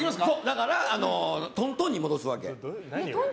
だから、トントンに戻すわけ。